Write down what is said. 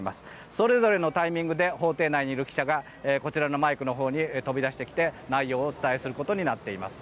それぞれのタイミングで法廷内にいる記者がこちらのマイクのほうに飛び出してきて内容をお伝えすることになっています。